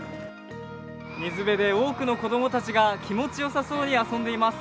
水辺で多くの子どもたちが気持ちよさそうに遊んでいます。